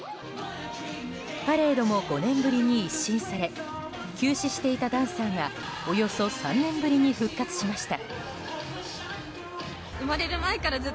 パレードも５年ぶりに一新され休止していたダンサーがおよそ３年ぶりに復活しました。